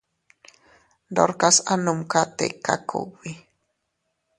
Ndorkas a numka tika kugbi.